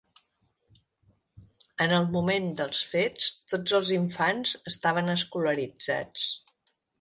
En el moment dels fets, tots els infants estaven escolaritzats.